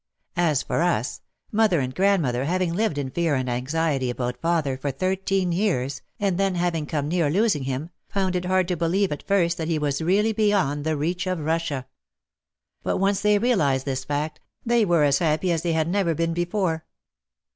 As for us, mother and grandmother having lived in fear and anxiety about father for thirteen years, and then having come near losing him, found it hard to be lieve at first that he was really beyond the reach of Russia. But once they realised this fact they were as happy as they had never been before.